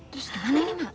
terus dimana ini emak